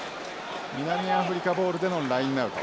南アフリカボールでのラインアウト。